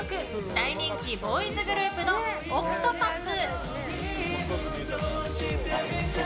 大人気ボーイズグループのＯＣＴＰＡＴＨ。